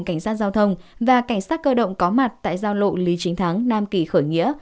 cảnh sát giao thông và cảnh sát cơ động có mặt tại giao lộ lý chính thắng nam kỳ khởi nghĩa